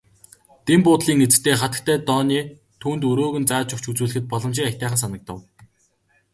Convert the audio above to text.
Дэн буудлын эзэгтэй хатагтай Дооне түүнд өрөөг нь зааж өгч үзүүлэхэд боломжийн аятайхан санагдав.